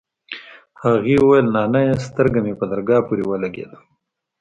هغې وويل نانيه سترگه مې په درگاه پورې ولگېده.